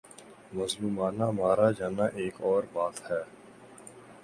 مظلومانہ مارا جانا ایک اور بات ہے۔